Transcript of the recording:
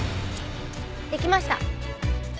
できました。